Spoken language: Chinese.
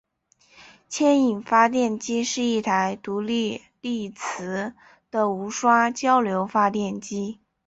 牵引发电机是一台独立励磁的无刷交流发电机。